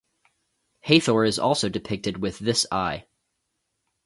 Hathor is also depicted with this eye.